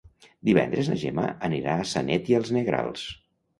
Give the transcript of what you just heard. Divendres na Gemma anirà a Sanet i els Negrals.